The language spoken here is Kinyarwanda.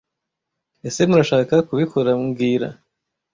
ese Murashaka kubikora mbwira